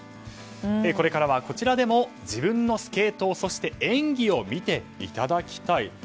これからはこちらでも自分のスケートを、そして演技を見ていただきたいと。